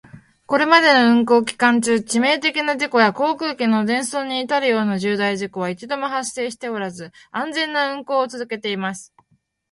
これまでの運航期間中、致命的な事故や航空機の全損に至るような重大事故は一度も発生しておらず、安全な運航を続けています。